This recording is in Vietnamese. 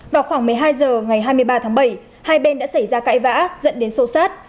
vào khoảng một mươi hai h ngày hai mươi ba tháng bảy hai bên đã xảy ra cãi vã dẫn đến sô sát